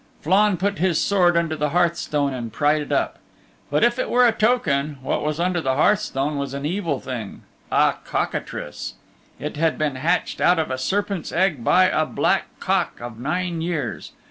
Flann put his sword under the hearthstone and pried it up. But if it were a token, what was under the hearthstone was an evil thing a cockatrice. It had been hatched out of a serpent's egg by a black cock of nine years.